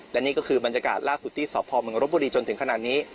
และนี่ก็คือบรรยากาศล่าสุทธิสอบพลเมืองรถบุรีจนถึงขณะนี้